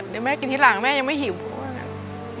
เดี๋ยวแม่กินที่หลังแม่ยังไม่หิวเพราะว่า